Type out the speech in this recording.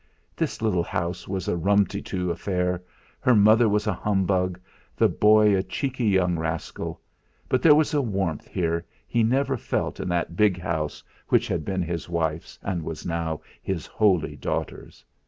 This little house was a rumty too affair, her mother was a humbug, the boy a cheeky young rascal, but there was a warmth here he never felt in that big house which had been his wife's and was now his holy daughter's.